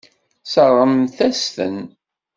Sseṛɣent-as-ten.